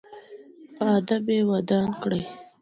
په ادب یې ودان کړئ.